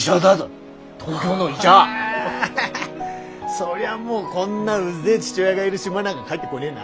そりゃもうこんなうぜえ父親がいる島なんか帰ってこねえな。